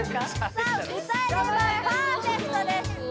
さあ歌えればパーフェクトです